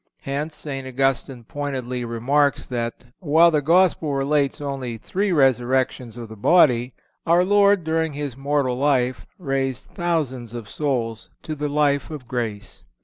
Hence St. Augustine pointedly remarks that, while the Gospel relates only three resurrections of the body, our Lord, during His mortal life, raised thousands of souls to the life of grace.